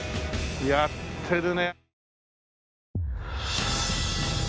やってるね。